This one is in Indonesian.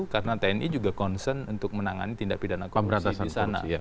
karena tni juga concern untuk menangani tindak pidana korupsi di sana